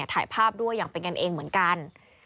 ถ่ายภาพด้วยอย่างเป็นกันเองเหมือนกัน